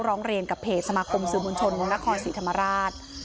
ร้องเรียนกับเพจสมาคมสื่อมวลชนเมืองนครศรีธรรมราช